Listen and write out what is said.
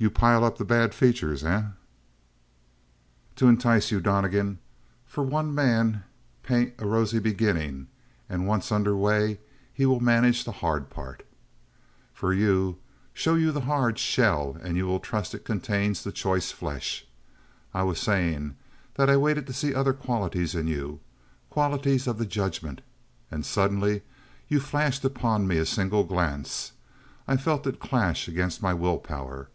"You pile up the bad features, eh?" "To entice you, Donnegan. For one man, paint a rosy beginning, and once under way he will manage the hard parts. For you, show you the hard shell and you will trust it contains the choice flesh. I was saying, that I waited to see other qualities in you; qualities of the judgment. And suddenly you flashed upon me a single glance; I felt it clash against my willpower.